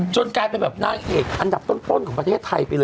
กลายเป็นแบบนางเอกอันดับต้นของประเทศไทยไปเลย